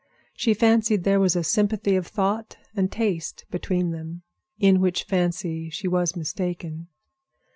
She fancied there was a sympathy of thought and taste between them, in which fancy she was mistaken.